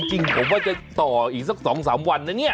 จริงผมว่าจะต่ออีกสัก๒๓วันนะเนี่ย